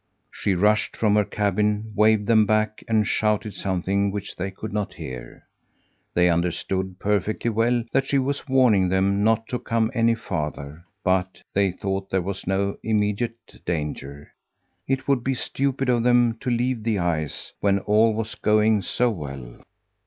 She rushed from her cabin, waved them back, and shouted something which they could not hear. They understood perfectly well that she was warning them not to come any farther; but they thought there was no immediate danger. It would be stupid for them to leave the ice when all was going so well!